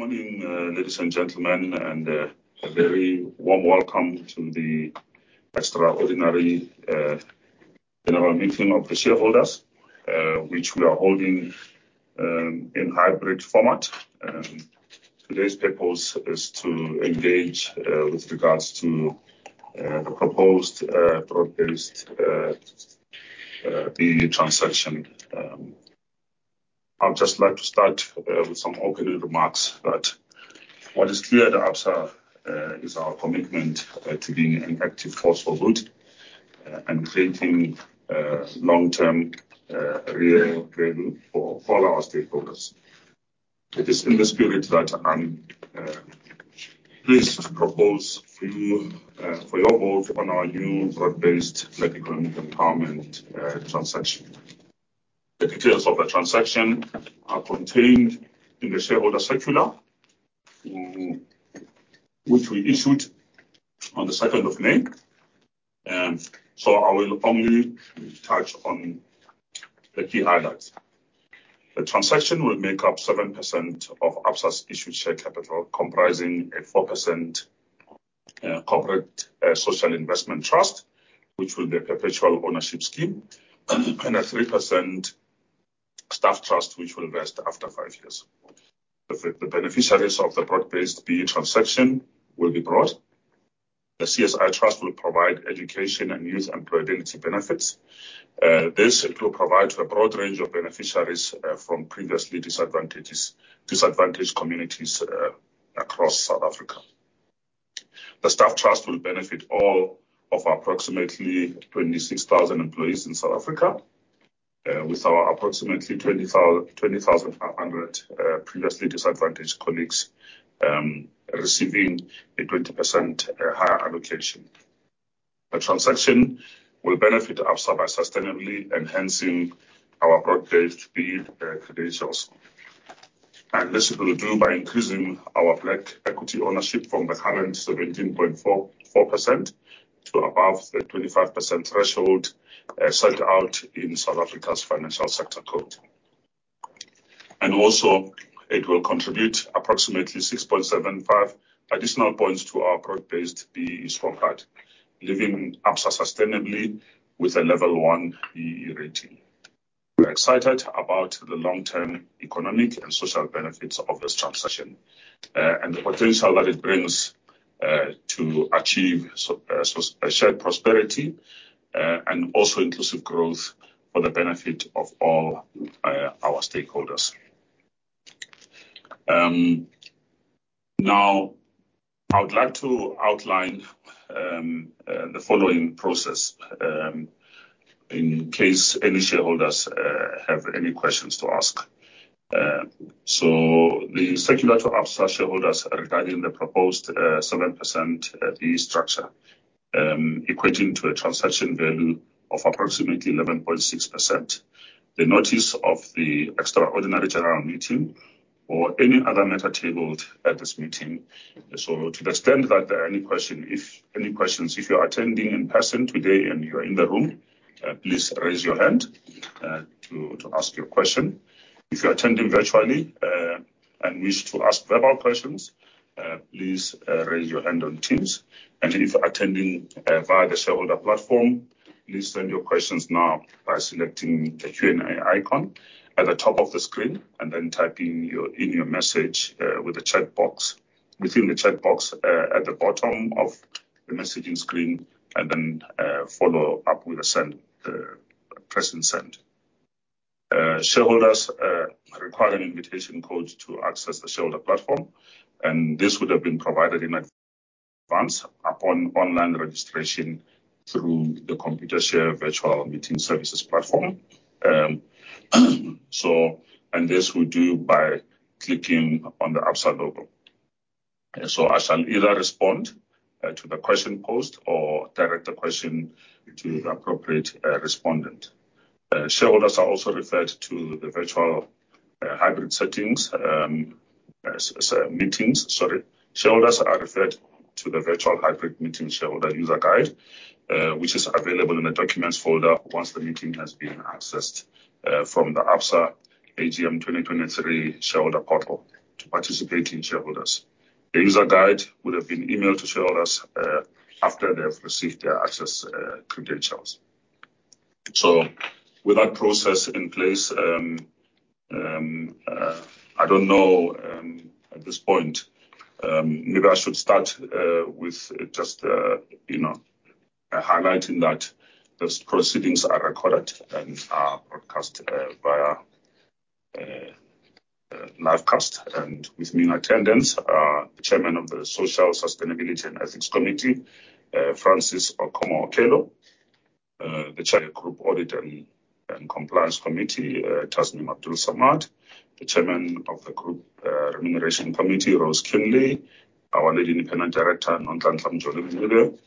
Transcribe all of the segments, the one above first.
Good morning, ladies and gentlemen, and a very warm welcome to the extraordinary annual meeting of the shareholders, which we are holding in hybrid format. Today's purpose is to engage with regards to the proposed broad-based BEE transaction. I'd just like to start with some opening remarks. What is clear at Absa is our commitment to being an active force for good and creating long-term value for all our stakeholders. It is in the spirit that I'm pleased to propose for you, for your vote on our new broad-based Black Economic Empowerment transaction. The details of the transaction are contained in the shareholder circular, which we issued on the 2nd of May. I will only touch on the key highlights. The transaction will make up 7% of Absa's issued share capital, comprising a 4% Corporate Social Investment Trust, which will be a perpetual ownership scheme, and a 3% staff trust, which will vest after years. The beneficiaries of the Broad-Based BEE transaction will be broad. The CSI Trust will provide education and youth unemployment benefits. This it will provide to a broad range of beneficiaries, from previously disadvantaged communities, across South Africa. The staff trust will benefit all of our approximately 26,000 employees in South Africa, with our approximately 20,500 previously disadvantaged colleagues, receiving a 20% higher allocation. The transaction will benefit Absa by sustainably enhancing our Broad-Based BEE credentials. This we will do by increasing our black equity ownership from the current 17.44% to above the 25% threshold, set out in South Africa's Financial Sector Code. Also, it will contribute approximately 6.75 additional points to our broad-based BEE scorecard, leaving Absa sustainably with a level 1 BEE rating. We're excited about the long-term economic and social benefits of this transaction, and the potential that it brings to achieve shared prosperity, and also inclusive growth for the benefit of all our stakeholders. Now, I would like to outline the following process, in case any shareholders have any questions to ask. The circular to Absa shareholders regarding the proposed 7% BEE structure, equating to a transaction value of approximately 11.6%. The notice of the extraordinary general meeting or any other matter tabled at this meeting. To the extent that there are any questions, if you are attending in person today, and you are in the room, please raise your hand to ask your question. If you're attending virtually and wish to ask verbal questions, please raise your hand on Teams, and if attending via the shareholder platform, please send your questions now by selecting the Q&A icon at the top of the screen and then typing your message with the chat box. Within the chat box, at the bottom of the messaging screen, and then follow up with a send. Press and send. Shareholders require an invitation code to access the shareholder platform, and this would have been provided in advance upon online registration through the Computershare Virtual Meeting Services platform. This we do by clicking on the Absa logo. I shall either respond to the question posed or direct the question to the appropriate respondent. Shareholders are also referred to the virtual hybrid settings meetings, sorry. Shareholders are referred to the Virtual Hybrid Meeting Shareholder User Guide, which is available in the documents folder once the meeting has been accessed from the Absa AGM 2023 shareholder portal to participate in shareholders. The user guide would have been emailed to shareholders after they've received their access credentials. With that process in place, at this point, maybe I should start with just, you know, highlighting that these proceedings are recorded and are broadcast via live cast. With me in attendance, Chairman of the Social, Sustainability and Ethics Committee, Francis Okomo-Okello. The Chair of Group Audit and Compliance Committee, Tasneem Abdool-Samad. The Chairman of the Group Remuneration Committee, Rose Keanly. Our Lead Independent Director, Nonhlanhla Mjoli-Mncube.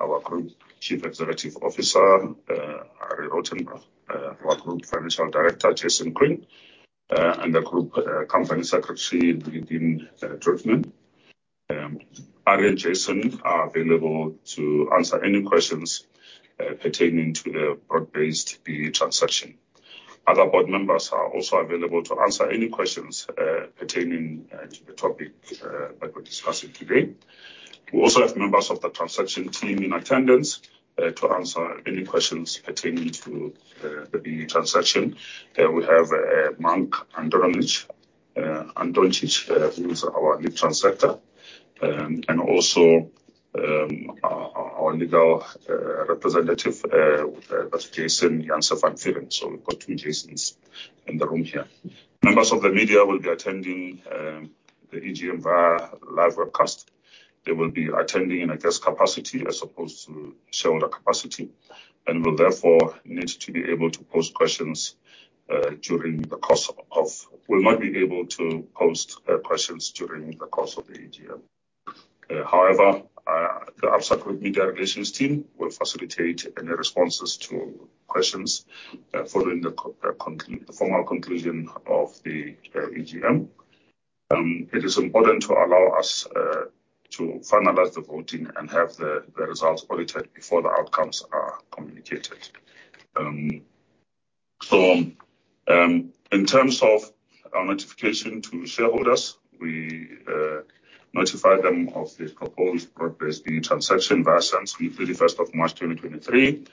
Our Group Chief Executive Officer, Arrie Rautenbach. Our Group Financial Director, Jason Quinn. The Group Company Secretary, Nadine Drutman. Ari and Jason are available to answer any questions pertaining to the broad-based BEE transaction. Other board members are also available to answer any questions pertaining to the topic that we're discussing today. We also have members of the transaction team in attendance to answer any questions pertaining to the transaction. We have Mark Andonovic, Andonovic, who is our Lead Transactor, and also our legal representative, Jason Janse van Vuuren. We've got two Jasons in the room here. Members of the media will be attending the EGM via live webcast. They will be attending in a guest capacity as opposed to shareholder capacity, and will not be able to pose questions during the course of the AGM. However, the Absa Group Media Relations team will facilitate any responses to questions following the formal conclusion of the AGM. It is important to allow us to finalize the voting and have the results audited before the outcomes are communicated. In terms of our notification to shareholders, we notified them of the proposed broad-based BEE transaction via SENS on the 31st of March, 2023.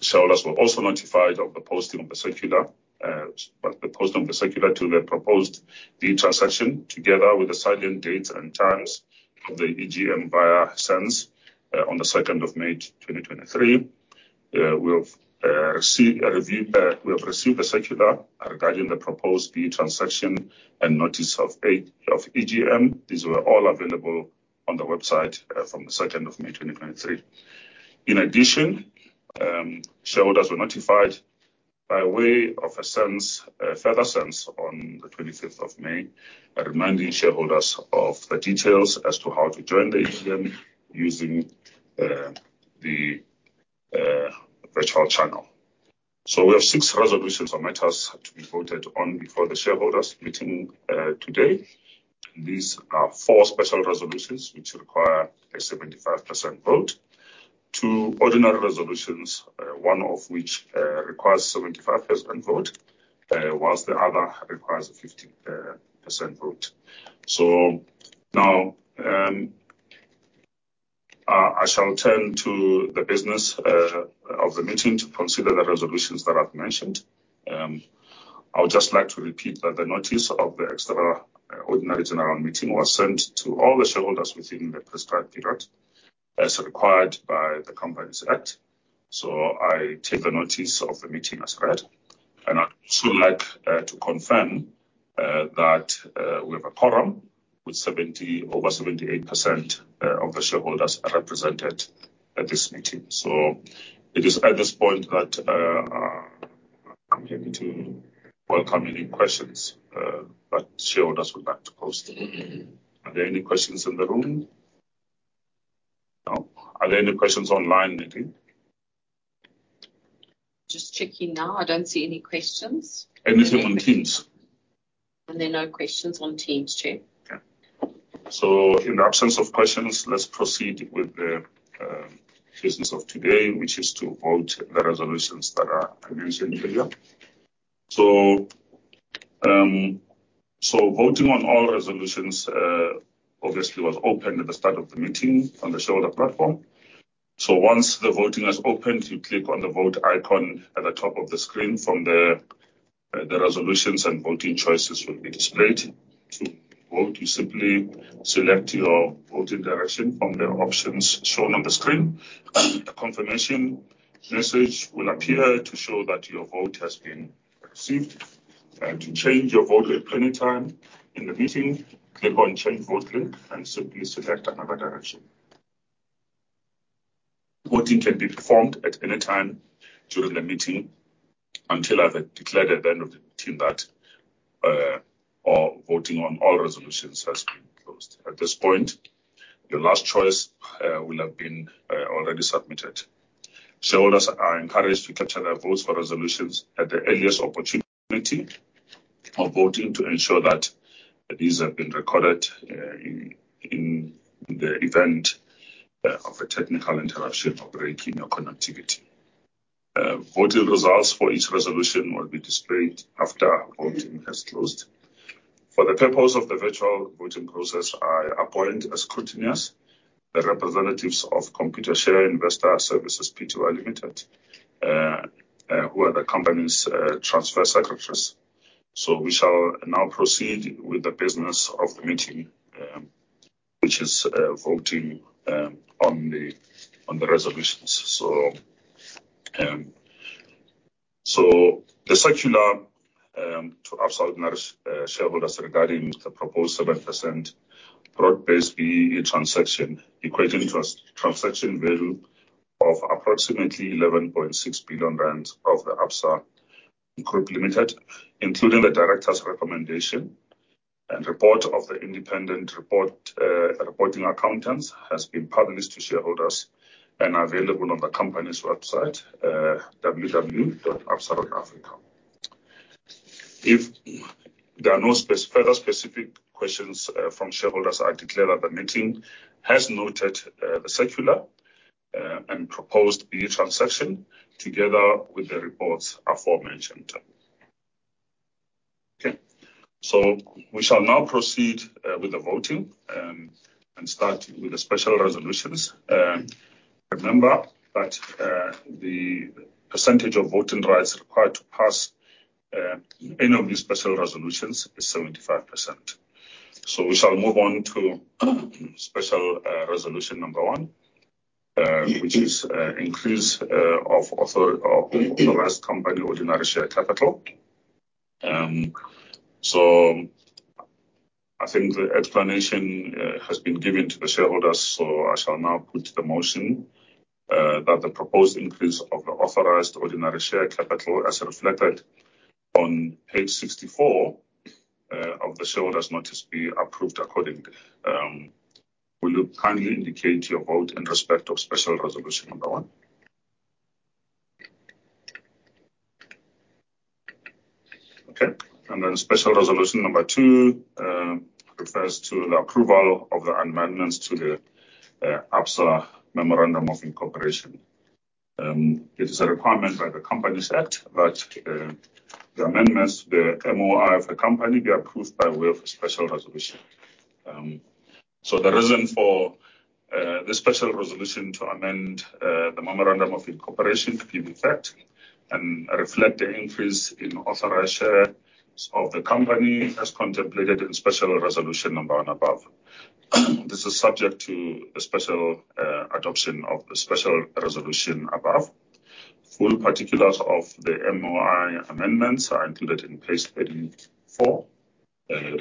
Shareholders were also notified of the posting of the circular, the post of the circular to the proposed B-BBEE transaction, together with the signing dates and times of the EGM via SENS, on the second of May, 2023. We have received a circular regarding the proposed B-BBEE transaction and notice of EGM. These were all available on the website from the second of May, 2023. In addition, shareholders were notified by way of a SENS, a further SENS on the 25th of May, reminding shareholders of the details as to how to join the EGM using the virtual channel. We have six resolutions on matters to be voted on before the shareholders' meeting today. These are four special resolutions which require a 75% vote. two ordinary resolutions, one of which requires 75% vote, whilst the other requires a 50% vote. Now, I shall turn to the business of the meeting to consider the resolutions that I've mentioned. I would just like to repeat that the notice of the extraordinary general meeting was sent to all the shareholders within the prescribed period, as required by the Companies Act. I take the notice of the meeting as read, and I'd also like to confirm that we have a quorum, with over 78% of the shareholders are represented at this meeting. It is at this point that I'm going to welcome any questions that shareholders would like to pose. Are there any questions in the room? No. Are there any questions online, Nadine? Just checking now. I don't see any questions. Anything on Teams? There are no questions on Teams, too. Okay. In the absence of questions, let's proceed with the business of today, which is to vote the resolutions that are mentioned earlier. Voting on all resolutions, obviously, was open at the start of the meeting on the shareholder platform. Once the voting has opened, you click on the Vote icon at the top of the screen. From there, the resolutions and voting choices will be displayed. To vote, you simply select your voting direction from the options shown on the screen, and a confirmation message will appear to show that your vote has been received. To change your vote at any time in the meeting, click on Change Vote link and simply select another direction. Voting can be performed at any time during the meeting until I've declared the end of the meeting that all voting on all resolutions has been closed. At this point, your last choice will have been already submitted. Shareholders are encouraged to capture their votes for resolutions at the earliest opportunity of voting, to ensure that these have been recorded in the event of a technical interruption or break in your connectivity. Voting results for each resolution will be displayed after voting has closed. For the purpose of the virtual voting process, I appoint as scrutineers the representatives of Computershare Investor Services Proprietary Limited, who are the company's transfer secretaries. We shall now proceed with the business of the meeting, which is voting on the, on the resolutions. The circular to Absa ordinary shareholders regarding the proposed 7% broad-based BEE transaction, equating transaction value of approximately 11.6 billion rand of the Absa Group Limited, including the directors' recommendation and report of the independent report, reporting accountants, has been published to shareholders and are available on the company's website, www.absa.africa. If there are no further specific questions from shareholders, I declare that the meeting has noted the circular and proposed the transaction together with the reports aforementioned. We shall now proceed with the voting and start with the special resolutions. Remember that the percentage of voting rights required to pass any of these special resolutions is 75%. We shall move on to special resolution number one, which is increase of authorized company ordinary share capital. I think the explanation has been given to the shareholders, so I shall now put the motion that the proposed increase of the authorized ordinary share capital, as reflected on page 64 of the shareholders' notice, be approved accordingly. Will you kindly indicate your vote in respect of special resolution number one? Special resolution number two refers to the approval of the amendments to the Absa Memorandum of Incorporation. It is a requirement by the Companies Act that the amendments to the MOI of the company be approved by way of a special resolution. The reason for this special resolution to amend the Memorandum of Incorporation to be in effect and reflect the increase in authorized shares of the company as contemplated in special resolution number one above. This is subject to a special adoption of the special resolution above. Full particulars of the MOI amendments are included in page 34,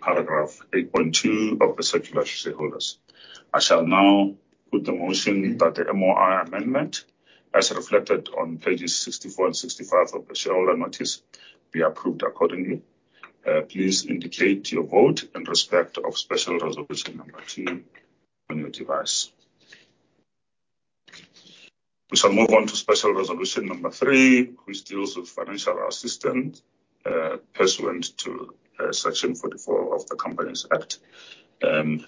paragraph 8.2 of the circular to shareholders. I shall now put the motion that the MOI amendment, as reflected on pages 64 and 65 of the shareholder notice, be approved accordingly. Please indicate your vote in respect of special resolution number two on your device. We shall move on to special resolution number three, which deals with financial assistance, pursuant to Section 44 of the Companies Act.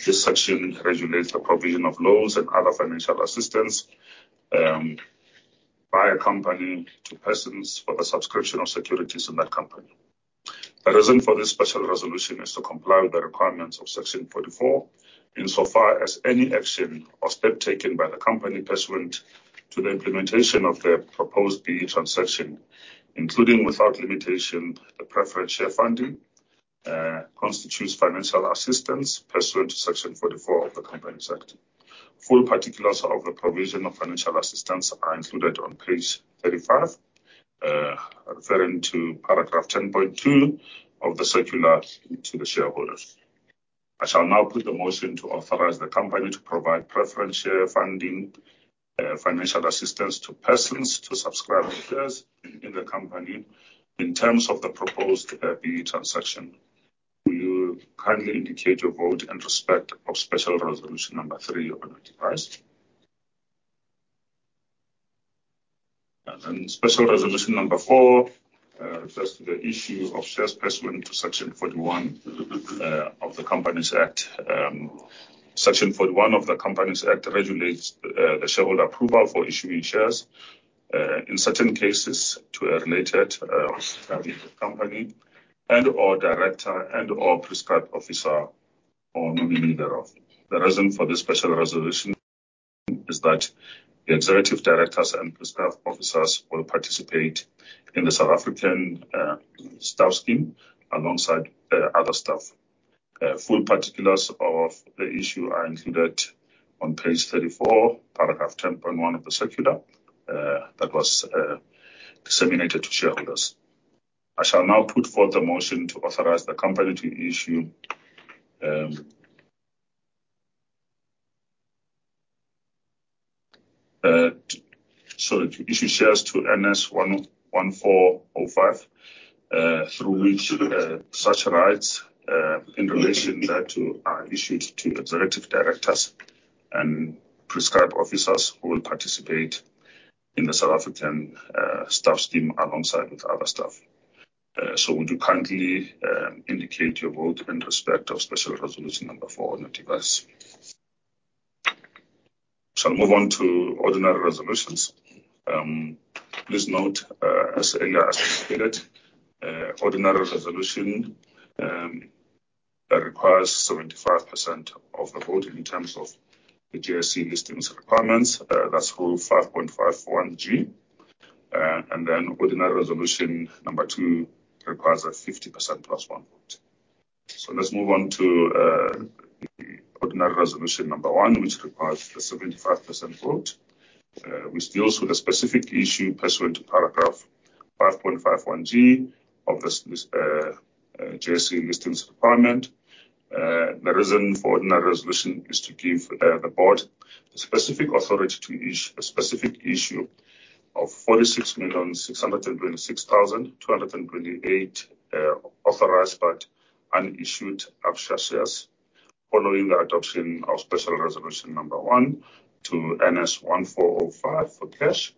This section regulates the provision of loans and other financial assistance, by a company to persons for the subscription of securities in that company. The reason for this special resolution is to comply with the requirements of Section 44, insofar as any action or step taken by the company pursuant to the implementation of the proposed BEE transaction, including, without limitation, the preference share funding, constitutes financial assistance pursuant to Section 44 of the Companies Act. Full particulars of the provision of financial assistance are included on page 35, referring to paragraph 10.2 of the circular to the shareholders. I shall now put the motion to authorize the company to provide preference share funding, financial assistance to persons to subscribe shares in the company in terms of the proposed BEE transaction. Will you kindly indicate your vote in respect of special resolution number three on your device? Special resolution number four refers to the issue of shares pursuant to Section 41 of the Companies Act. Section 41 of the Companies Act regulates the shareholder approval for issuing shares in certain cases, to a related company and/or director and/or prescribed officer or nominee thereof. The reason for this special resolution is that the executive directors and prescribed officers will participate in the South African staff scheme alongside other staff. Full particulars of the issue are included on page 34, paragraph 10.1 of the circular that was disseminated to shareholders. I shall now put forth a motion to authorize the company to issue, To issue shares to NS114005 through which such rights in relation thereto are issued to executive directors and prescribed officers who will participate in the South African staff scheme alongside with other staff. Would you kindly indicate your vote in respect of special resolution number four on your device? Shall move on to ordinary resolutions. Please note, as earlier stated, ordinary resolution that requires 75% of the vote in terms of the JSE Listings Requirements. That's rule 5.51(G). Ordinary resolution number two requires a 50% plus one vote. Let's move on to the ordinary resolution number one, which requires a 75% vote, which deals with a specific issue pursuant to paragraph 5.51(G) of this JSE Listings Requirements. The reason for ordinary resolution is to give the board specific authority to issue a specific issue of 46,626,228 unissued up shares following the adoption of special resolution number one to NS114005 for cash.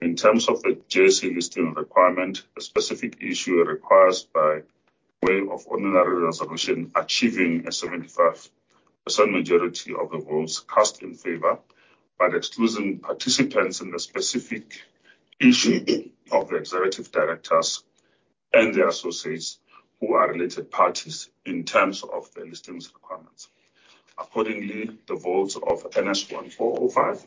In terms of the JSE Listings Requirements, a specific issue requires by way of ordinary resolution, achieving a 75% majority of the votes cast in favor, but excluding participants in the specific issue of the executive directors and their associates who are related parties in terms of the JSE Listings Requirements. Accordingly, the votes of NS 114005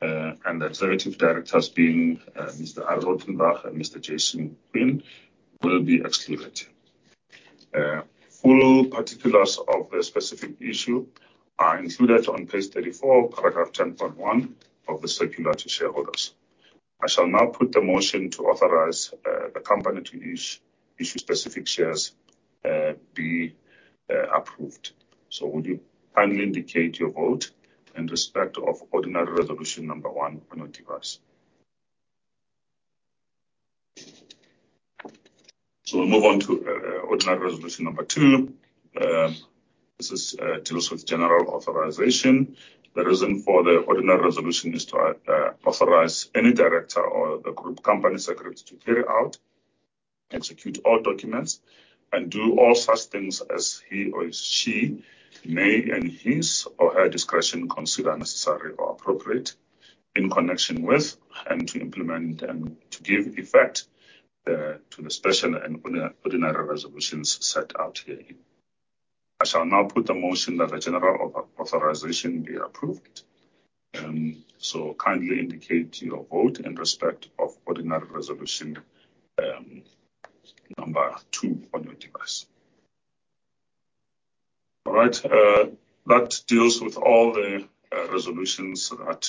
and the executive directors being Mr. Arrie Rautenbach and Mr. Jason Quinn, will be excluded. Full particulars of the specific issue are included on page 34, paragraph 10.1, of the circular to shareholders. I shall now put the motion to authorize the company to issue specific shares be approved. Would you kindly indicate your vote in respect of ordinary resolution one on your device. We'll move on to ordinary resolution two. This deals with general authorization. The reason for the ordinary resolution is to authorize any director or the Group Company Secretary to carry out, execute all documents and do all such things as he or she may, in his or her discretion, consider necessary or appropriate in connection with, and to implement and to give effect to the special and ordinary resolutions set out herein. I shall now put the motion that the general authorization be approved. Kindly indicate your vote in respect of ordinary resolution number two on your device. All right, that deals with all the resolutions that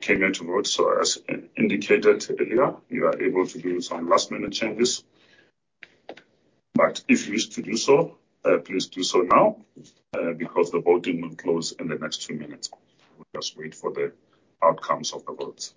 came into vote. As indicated earlier, you are able to do some last-minute changes, but if you wish to do so, please do so now, because the voting will close in the next few minutes. We'll just wait for the outcomes of the votes.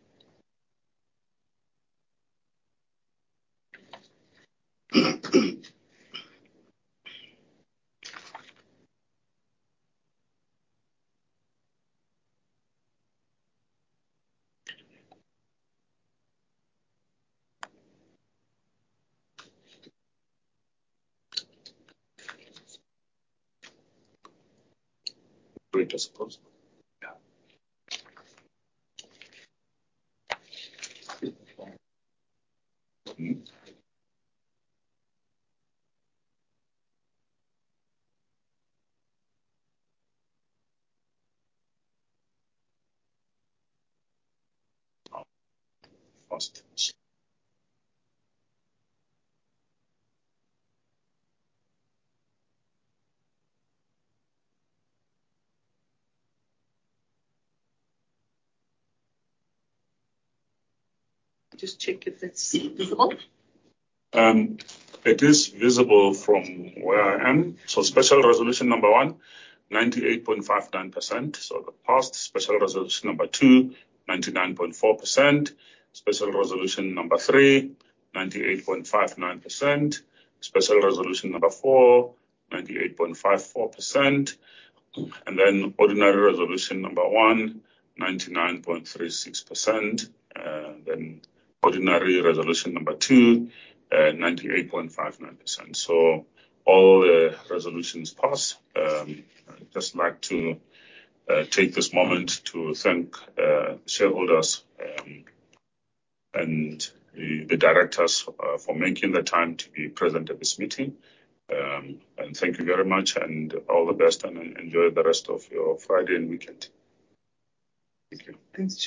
Wait, I suppose. Yeah. Just check if it's visible. It is visible from where I am. Special resolution number one, 98.59%, so it passed. Special resolution number 2, 99.4%. Special resolution number three, 98.59%. Special resolution number 4, 98.54%. Ordinary resolution number one, 99.36%. Ordinary resolution number two, 98.59%. All the resolutions pass. I'd just like to take this moment to thank shareholders and the directors for making the time to be present at this meeting. Thank you very much and all the best, and enjoy the rest of your Friday and weekend. Thank you. Thanks, Chair.